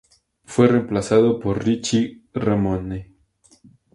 Fue reemplazado por Richie Ramone.